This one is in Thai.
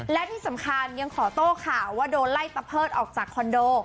และที่สำคัญยังขอโต้ข่าวว่าโดนไล่ตะเพิดออกจากคอนโด